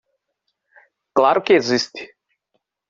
Claro que existe!